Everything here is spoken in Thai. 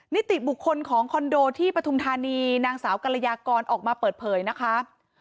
นิติบุคคลของคอนโดที่ปฐุมธานีนางสาวกรยากรออกมาเปิดเผยนะคะ